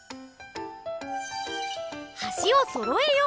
はしをそろえよう！